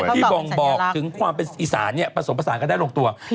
ที่บ่งบอกถึงความเป็นอิสานนี่ประสบประสานก็ได้๖ตัว